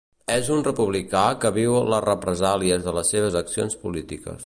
És un republicà que viu les represàlies de les seves accions polítiques.